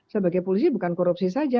sebagai polisi bukan korupsi saja